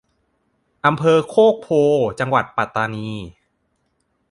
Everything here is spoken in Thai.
อำเภอโคกโพธิ์ จังหวัดปัตตานี